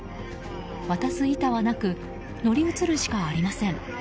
渡す板はなく乗り移るしかありません。